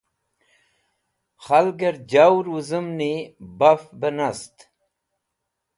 Khalgẽr jawẽr wẽzũmni baf be nast.